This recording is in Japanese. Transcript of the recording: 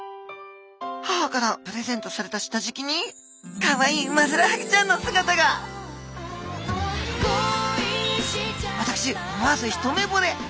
母からプレゼントされた下じきにかわいいウマヅラハギちゃんの姿が私思わず一目ぼれ。